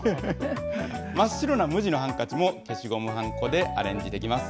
真っ白な無地のハンカチも、消しゴムはんこでアレンジできます。